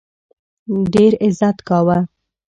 ډېر عزت کاوه.